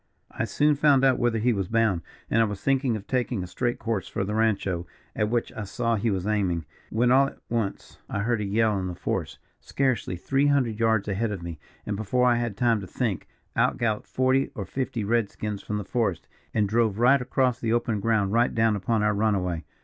"I soon found out whither he was bound, and I was thinking of taking a straight course for the rancho, at which I saw he was aiming, when all at once I heard a yell in the forest, scarcely three hundred yards ahead of me, and before I had time to think, out galloped forty or fifty red skins from the forest, and drove right across the open ground right down upon our runaway.